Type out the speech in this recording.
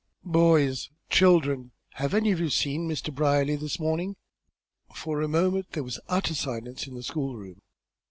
"Boys children have any of you seen Mr. Brierly this morning?" For a moment there was an utter silence in the school room.